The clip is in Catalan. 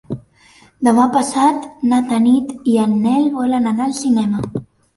Demà passat na Tanit i en Nel volen anar al cinema.